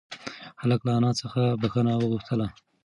هلک له انا څخه بښنه وغوښته.